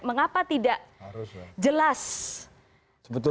mengapa tidak jelas